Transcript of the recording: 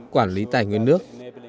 quản lý tài nguyên nước